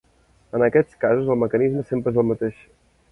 En aquests casos el mecanisme sempre és el mateix.